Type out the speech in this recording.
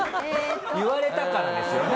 言われたからですよね。